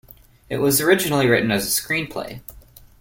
It was originally written as a screenplay.